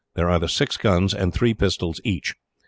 There are the six guns, and three pistols each.